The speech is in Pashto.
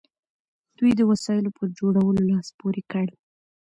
دوی د وسایلو په جوړولو لاس پورې کړ.